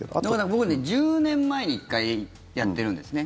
僕ね、１０年前に１回やってるんですね。